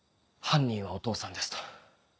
犯人はお父さんですと。